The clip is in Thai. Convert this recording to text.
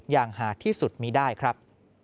อย่างหาดที่สุดมีได้ครับ